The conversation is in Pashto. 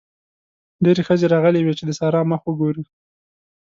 ډېرې ښځې راغلې وې چې د سارا مخ وګوري.